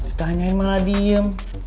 ditanyain malah diem